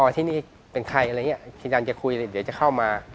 อ๋อที่นี่เป็นใครอะไรอย่างเงี้ยที่นั่งจะคุยหรือจะเข้ามา